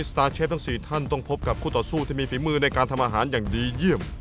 ตาร์เชฟทั้ง๔ท่านต้องพบกับคู่ต่อสู้ที่มีฝีมือในการทำอาหารอย่างดีเยี่ยม